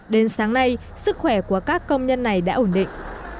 đến sáng nay sức khỏe của các công nhân này đã ổn định